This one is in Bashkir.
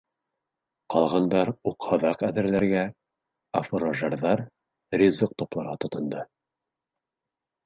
Ҡалғандар уҡ-һаҙаҡ әҙерләргә, ә фуражерҙар ризыҡ тупларға тотондо...